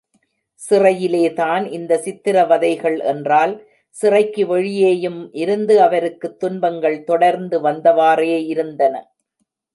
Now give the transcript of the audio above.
சிறையிலேதான் இந்த சித்ரவதைகள் என்றால், சிறைக்கு வெளியேயும் இருந்து அவருக்குத் துன்பங்கள் தொடர்ந்து வந்தவாறே இருந்தன.